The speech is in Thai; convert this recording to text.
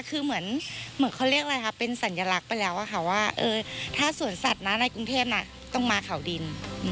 คือเหมือนเขาเรียกอะไรคะเป็นสัญลักษณ์ไปแล้วค่ะว่าถ้าสวนสัตว์นะในกรุงเทพต้องมาเขาดิน